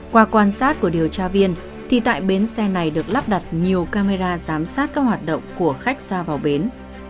qua quan sát của điều tra viên thì tại bến xe này được lắp đặt nhiều camera giám sát các hoạt động của khách ra vào bến